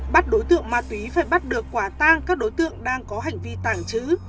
bắt đối tượng ma túy phải bắt được quả tang các đối tượng đang có hành vi tàng trữ